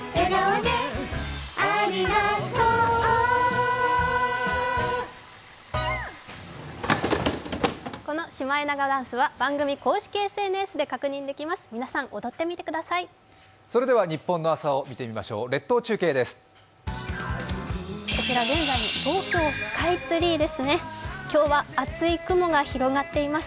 それではニッポンの朝を見てみましょう、列島中継です。